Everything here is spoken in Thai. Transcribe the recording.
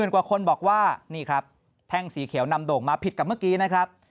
กว่าคนบอกว่านี่ครับแท่งสีเขียวนำโด่งมาผิดกับเมื่อกี้นะครับ